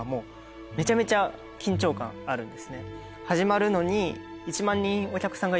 始まるのに。